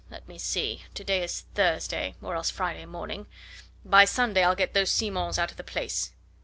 Let me see to day is Thursday, or else Friday morning. By Sunday I'll get those Simons out of the place.